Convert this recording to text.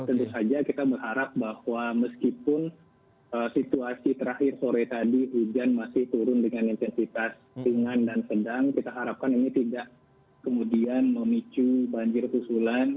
tentu saja kita berharap bahwa meskipun situasi terakhir sore tadi hujan masih turun dengan intensitas ringan dan sedang kita harapkan ini tidak kemudian memicu banjir susulan